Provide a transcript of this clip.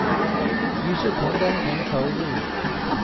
於是同工同酬日